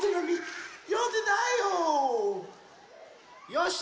よし！